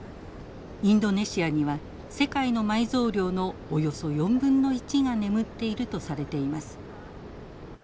インドネシアには世界の埋蔵量のおよそ４分の１が眠っているとされています。